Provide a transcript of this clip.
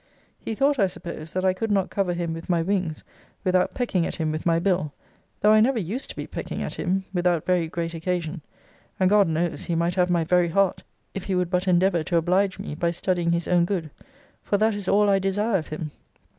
He thought, I suppose, that I could not cover him with my wings, without pecking at him with my bill; though I never used to be pecking at him, without very great occasion: and, God knows, he might have my very heart, if he would but endeavour to oblige me, by studying his own good; for that is all I desire of him.